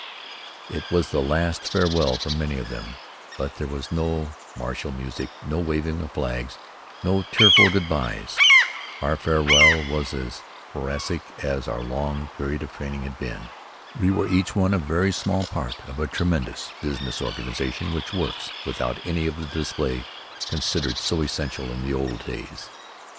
It was the last farewell for many of them, but there was no martial music, no waving of flags, no tearful good byes. Our farewell was as prosaic as our long period of training had been. We were each one a very small part of a tremendous business organization which works without any of the display considered so essential in the old days.